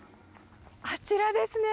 あちらですね。